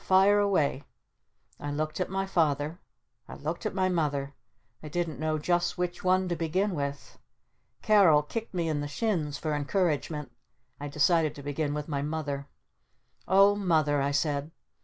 "Fire away!" I looked at my Father. I looked at my Mother. I didn't know just which one to begin with. Carol kicked me in the shins for encouragement. I decided to begin with my Mother. "Oh Mother," I said.